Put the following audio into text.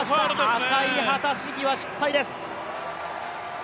赤い旗、試技は失敗です。